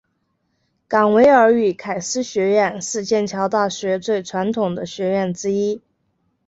冈维尔与凯斯学院是剑桥大学最传统的学院之一。